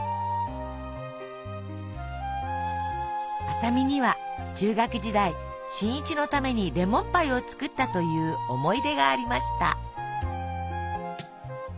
麻美には中学時代新一のためにレモンパイを作ったという思い出がありました。